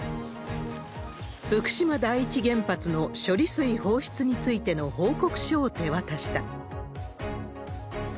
福島第一原発の処理水放出についての報告書を手渡した。